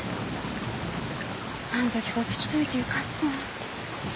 あん時こっち来といてよかったぁ。